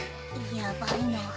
やばいの。